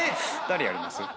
誰やります？